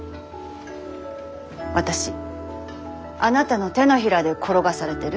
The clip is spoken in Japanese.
私あなたの手のひらで転がされてる？